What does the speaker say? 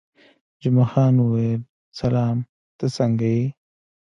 جمعه خان وویل: سلام، ته څنګه یې؟